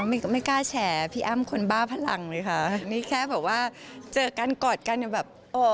มีอะไรอยู่ที่เช็บ